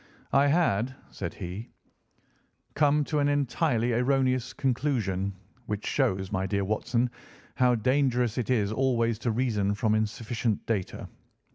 "I had," said he, "come to an entirely erroneous conclusion which shows, my dear Watson, how dangerous it always is to reason from insufficient data.